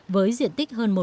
với diện tích hơn một m hai